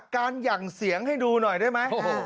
หยั่งเสียงให้ดูหน่อยได้ไหม